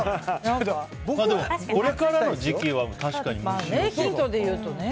これからの時期は確かに虫よけ器か。